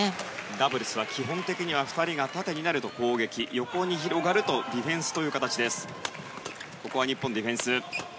ダブルスは基本的には２人が縦に広がると攻撃横に広がるとディフェンスという形です。